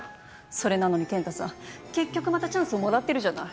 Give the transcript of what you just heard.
それなのに健太さん結局またチャンスをもらってるじゃない。